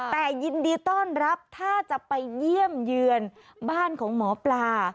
แต่ยินดีต้อนรับถ้าจะไปเยี่ยมเยือนบ้านของหมอปลา